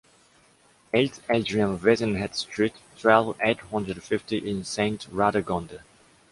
eight Adrien Vézinhet Street, twelve, eight hundred fifty in Sainte-Radegonde